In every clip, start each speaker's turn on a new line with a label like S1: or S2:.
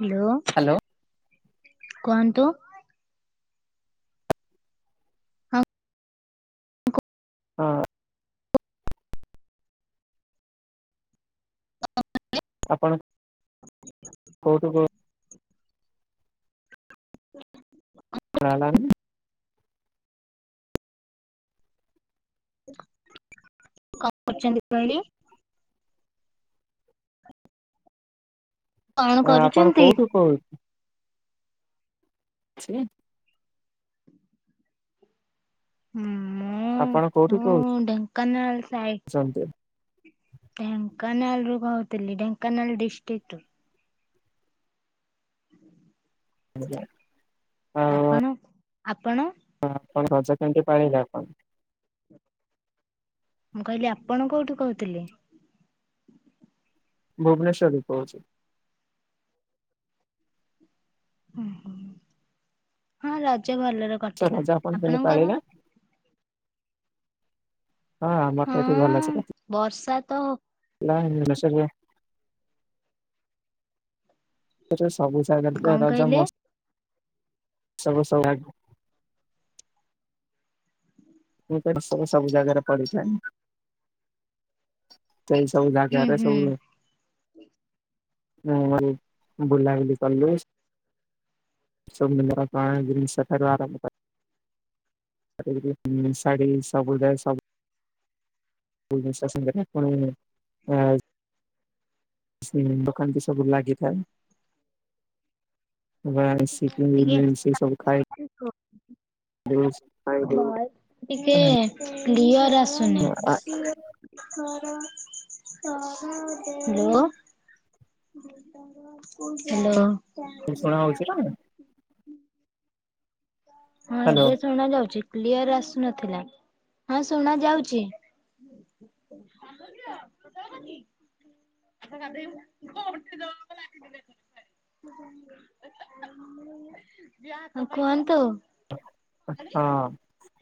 S1: Hello
S2: hello
S1: କୁହନ୍ତୁ ହଁ କଣ
S2: ହଁ ଆପଣ କଉଠୁ କହୁଥିଲେ? ହ ହେ [inaudible]
S1: କଣ କରୁଛନ୍ତି କହିଲେ? କଣ କରୁଛନ୍ତି?
S2: କହୁଛି। ଅ [inaudible]
S1: ହୁଁ।
S2: ଆପଣ କୋଉଠି କହୁଥିଲେ?
S1: ମୁଁ ଡେଙ୍କନାଳ ସାଇଡ
S2: ସନ୍ତୁ [unintelligible]
S1: ଢେଙ୍କାନାଲ ରୁ କହୁଥିଲି ଢେଙ୍କାନାଳ ଦିଷ୍ଟ ରୁ
S2: ଆଉ
S1: ଆପଣ ଆପଣ
S2: ଆପଣ ରଜ କେମିତି ପାଳିଲେ ଆପଣ?
S1: ମୁଁ କହିଲି ଆପଣ କୋଉଠୁ କହୁଥିଲେ?
S2: ଭୁବନେଶ୍ୱରରେ କହୁଛି
S1: ଓୁଁ ହ ହଁ ରଜ ଭଲରେ
S2: ସାର୍
S1: କଟିଲା
S2: ରଜ ଆପଣ କେମିତି
S1: ଆପଣଙ୍କର?
S2: ପାଳିଲେ? ହଁ ଆମଟ ଏଇଠି ଭଲ
S1: ହଁ ବର୍ଷା ତ
S2: ଅ [unintelligible] ସେ ସବୁ ଜାଗର
S1: କଣ କହିଲେ
S2: ରଜବୁ ସବୁ [unintelligible] ମୁ ତ ସବୁ ସବୁ ଜାଗାରେ ପଡିଛାଣି [unintelligible] ସେଇ ସବୁ
S1: ହୁଁ
S2: ଯାଗାଗରେ
S1: ହୁଁ
S2: ସବୁ ନହି ହୁଁ ବୁଲାବୁଲି କଲୁ ସବନ୍ଦଣ [unintelligible] ଶାଢୀ ସବୁ ଯା ସବୁ ବଶାସନ ଆ [unintelligible] ଦୋକାନ ତ ସବୁ ଲାଗିଥାଏ। ସିକ
S1: ଟିକେ
S2: ସେ ସବ ଖାଇଏ [unintelligible] ହ।
S1: ୟସ ଟିକେ କ୍ଲିଅର ଆସୁନି ହ୍ୟାଲୋ। ହ୍ୟାଲୋ।
S2: ଷୁଣା ଯାଉଛି?
S1: ହଁ
S2: ହ୍ୟାଲୋ
S1: ଏବେ ଶୁଣ ଯାଉଛି କ୍ଲିୟର ଆସୁନଥିଲା ହଁ ଶୁଣ ଯାଉଛି ଆ କଦ [unintelligible] କୁହନ୍ତୁ?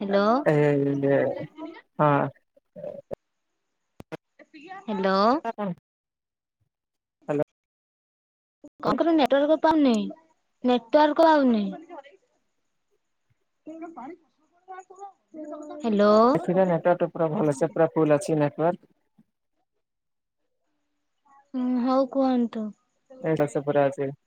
S1: ହ୍ୟାଲୋ
S2: ହଁ।
S1: ହ୍ୟାଲୋ।
S2: ହଁ। ହ୍ୟାଲୋ।
S1: କଣଙ୍କର ନେଟୱାର୍କ ପାଉନି ନେଟୱାର୍କ ପାଉନି କେ ପାଣି କ [unintelligible] ହ୍ୟାଲୋ।
S2: ଏଥି ନେଟୱାର୍କଟ ପୁରା ଭଲ ଅ ପୁରା ଫୁଲ ଅଛି ନେଟୱାର୍କ
S1: ହୁଁ ହଉ କୁହନ୍ତୁ
S2: ଏସ ପୁରଛି [unintelligible]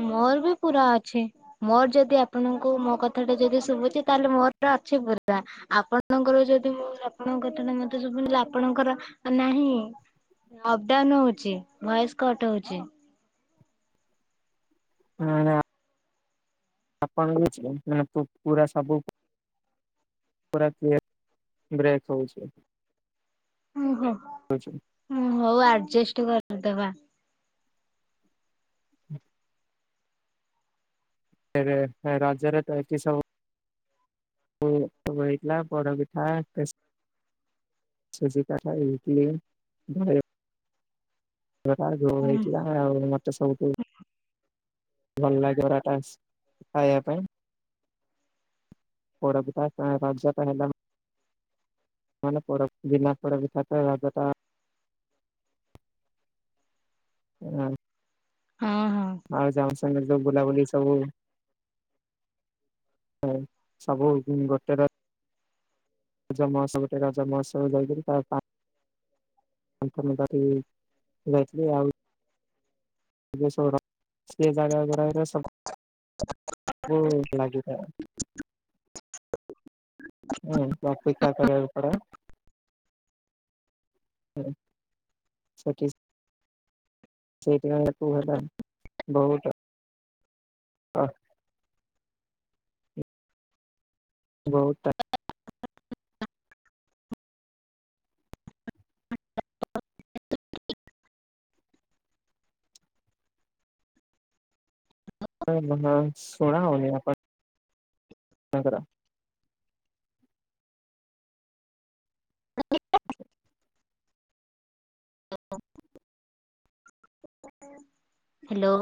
S1: ମୋର ବି ପୁରା ଅଛି ମୋର ଯଦି ଆପଣଙ୍କୁ ମୋ କଥା ଟା ଯଦି ଶୁଭୁଛି ତାହେଲେ ମୋର ଅଛି ପୁରା ଆପଣଙ୍କର ଯଦିଁ ଆପଣଙ୍କ କଥାଟ ମତେ ସୁବୁୁଛି ଆପଣଙ୍କର ନାହିଁ ଅପଡାଉନ ହଉଛି ଭୟସ କଟ ହଉଛି
S2: ଆପଣଙ୍କ ମାନେ ପୁରା ସବୁ ପୁରା କ୍ଲିୟର ବ୍ରେକ୍ ହୋଉଚି।
S1: ଓହୋ ହୋଉ ଆଜେଷ୍ଟ କରିଦବା।
S2: ହୁଁ। ଏବେ ରଜରେ ତ ଏଠି ସବୁ ପୁ ସବୁ ହେଇଥିଲା ପୋଡପିଠା ଖେସ ସୁଜି କାକରା ଇତିଲି ଉଭୟ। ହେରା କଣ କି
S1: ହୁଁ
S2: ହେଥିଲା ଆଉ ମତେ ସବୁଠୁ ଭଲ ଲାଗେ ସେଟା ସ ଖାଇବା ପାଇଁ। ପୋଡପିଠା ତମେ ରଜ ତ ହେଲାମା ମାନେ ପୋଡପି ବିନା ପୋଡପିଠା ତ ରଜ ତ ହଁ।
S1: ହଁ ହଁ।
S2: ଆଉ ଜାମସଙ୍ଗରେ ଯୋଉ ବୁଲାବୁଲି ସବୁ ହୋଉ ସବୁ ଗୋଟେ ର ରଜ ମାହସ ଗୋଟେ ରଜମହସ ଯାଇକରି ତା ପା [inaudible] ଯାଇଥିଲି ଆଉ। ସେ ଯୋଉ ସହର ସେଜାଗା ଗୁଡାଆଗୁରା ସବୁ ବୋହୁତ ଲାଗିଥା। ହୁଁ ତୋ ଅପେକ୍ଷା କରିବାକୁ ପଡ। ହଁ ସଖି ସେଇଥି ପାଇଁ ତାକୁ ହେଲା ବହୁତ। ହଁ। ବୋହୁତ।
S1: [inaudible]
S2: [unintelligible] ଶୁଣା ହଉନି। ତାଙ୍କର
S1: [inaudible] ହାଲୋ।